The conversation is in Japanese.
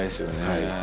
はい。